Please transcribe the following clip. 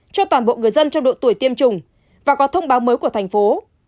cho toàn bộ người dân trong độ tuổi tiêm chủng và có thông báo mới của thành phố